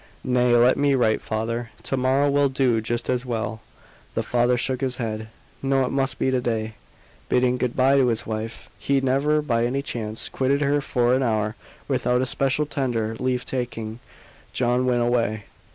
"Nay, let me write, father. To morrow will do just as well." The father shook his head. "No it must be to day." Bidding good bye to his wife he never by any chance quitted her for an hour without a special tender leave taking John went away.